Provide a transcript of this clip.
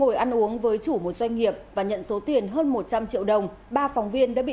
cảm ơn các bạn đã theo dõi